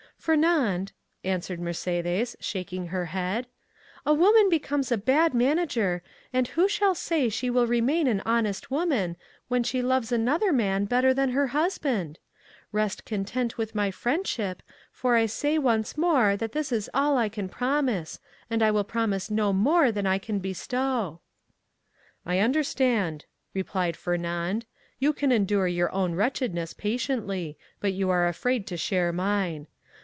"Fernand," answered Mercédès, shaking her head, "a woman becomes a bad manager, and who shall say she will remain an honest woman, when she loves another man better than her husband? Rest content with my friendship, for I say once more that is all I can promise, and I will promise no more than I can bestow." "I understand," replied Fernand, "you can endure your own wretchedness patiently, but you are afraid to share mine.